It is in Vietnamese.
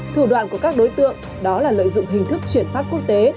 thủ đoạn của các đối tượng đó là lợi dụng hình thức chuyển phát quốc tế